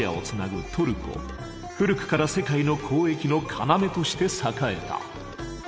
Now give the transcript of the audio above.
古くから世界の交易の要として栄えた。